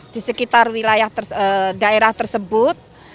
di sekitar daerah tersebut